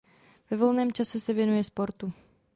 Ve volném čase se věnuje sportu.